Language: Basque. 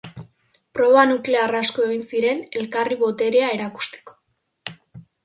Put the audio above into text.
Proba nuklear asko egin ziren elkarri boterea erakusteko.